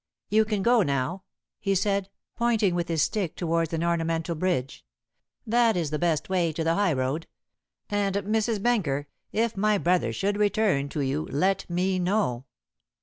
"You can go now," he said, pointing with his stick towards an ornamental bridge; "that is the best way to the high road. And, Mrs. Benker, if my brother should return to you let me know."